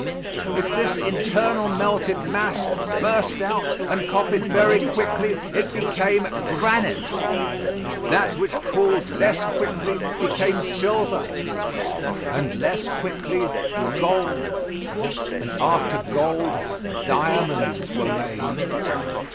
If this internal melted mass burst out and copied very quickly it became granite; that which cooled less quickly became silver; and less quickly, gold; and after gold diamonds were made.